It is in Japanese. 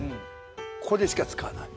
これしか使わない。